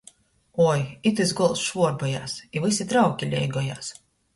Oi, itys golds švuorbojās, i vysi trauki leigojās!